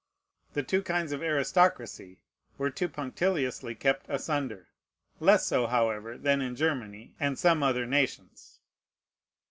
The two kinds of aristocracy were too punctiliously kept asunder: less so, however, than in Germany and some other nations.